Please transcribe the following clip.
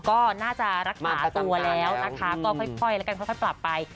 ก็น่าจะรักษาตัวแล้วนะคะก็ค่อยแล้วกันค่อยปรับไป